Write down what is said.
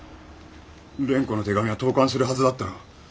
蓮子の手紙は投函するはずだったろう。